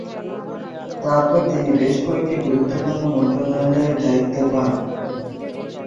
তারপর তিনি বেশ কয়েকটি গুরুত্বপূর্ণ মন্ত্রণালয়ের দায়িত্ব পান।